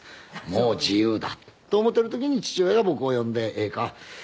もう自由だと思っている時に父親が僕を呼んで「ええか？